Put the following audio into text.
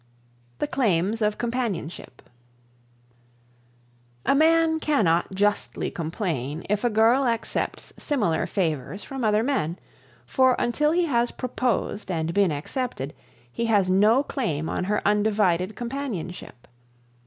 The Claims of Companionship. A man cannot justly complain if a girl accepts similar favors from other men, for until he has proposed and been accepted he has no claim on her undivided companionship.